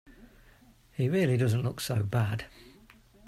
He really doesn't look so bad.